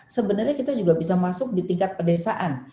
sebenarnya kita juga bisa masuk di tingkat pedesaan